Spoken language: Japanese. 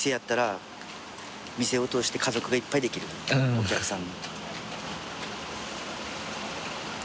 お客さん。